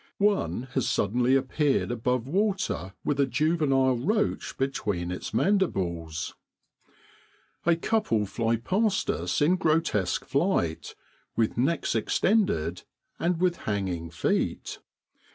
One has suddenly appeared above water with a juvenile roach between its mandibles. A couple fly past us in grotesque flight, with necks extended, and with hanging feet.